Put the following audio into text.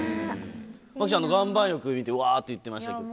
真希ちゃん、あの岩盤浴見て、うわーって言ってましたけど。